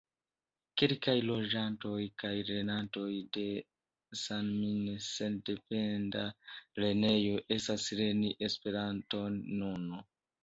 Kelkaj loĝantoj kaj lernantoj de San-Min sendependa lernejo estas lerni Esperanton nun.